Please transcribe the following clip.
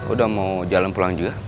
udah mau jalan pulang juga